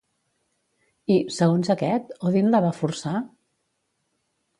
I, segons aquest, Odin la va forçar?